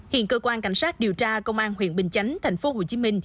hiện cơ quan cảnh sát điều tra công an huyện bình chánh tp hcm